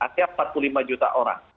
artinya empat puluh lima juta orang